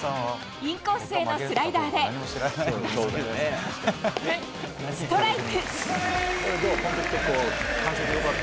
インコースへのスライダーでストライク。